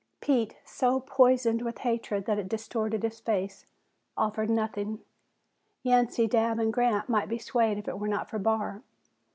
Pete, so poisoned with hatred that it distorted his face, offered nothing. Yancey, Dabb and Grant might be swayed if it were not for Barr.